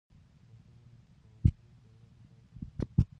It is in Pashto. د پښتو د بې تفاوتۍ دوره دې پای ته رسېږي.